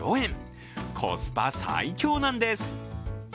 コスパ最強なんです。